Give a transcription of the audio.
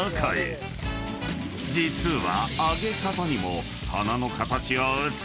［実は］